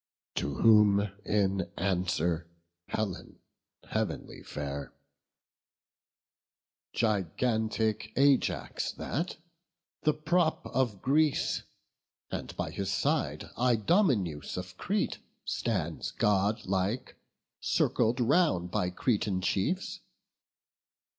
To whom, in answer, Helen, heav'nly fair: "Gigantic Ajax that, the prop of Greece; And by his side Idomeneus of Crete Stands godlike, circled round by Cretan chiefs.